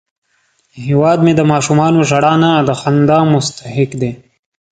هیواد مې د ماشومانو ژړا نه، د خندا مستحق دی